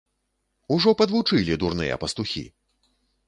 Ужо падвучылі дурныя пастухі!